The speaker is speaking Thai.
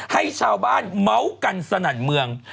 ให้ชาวบ้านเมาส์กันสนั่นเมือง